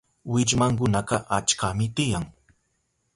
Willmankunaka achkami tiyan.